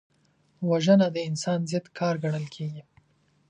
وژنه د انسان ضد کار ګڼل کېږي